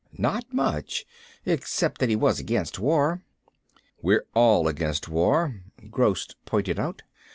"Not much. Except that he was against war." "We're all against war," Gross pointed out.